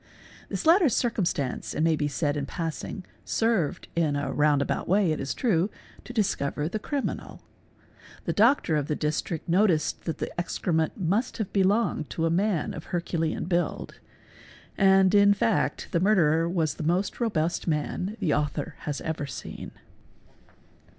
This latter circum z stance, it may be said in passing, served, in a round about way it is true, to discover the criminal; the doctor of the district noticed that the excrement must have belonged to a man of herculean build; and in fact | the murderer was the most robust man the author has ever seen.